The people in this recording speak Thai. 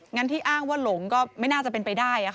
งั้นที่อ้างว่าหลงก็ไม่น่าจะเป็นไปได้